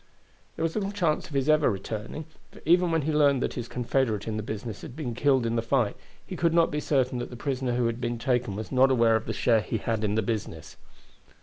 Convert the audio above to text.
There was little chance of his ever returning; for even when he learned that his confederate in the business had been killed in the fight, he could not be certain that the prisoner who had been taken was not aware of the share he had in the business.